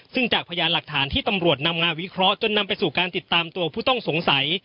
ซึ่งจากพยานหลักฐานที่ตำรวจนำมาวิเคราะห์จนนำไปสู่การติดตามตัวผู้ต้องสงสัย